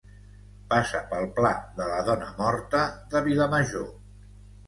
passa pel pla de la Dona Morta de Vilamajor